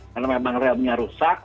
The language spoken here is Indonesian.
karena memang remnya rusak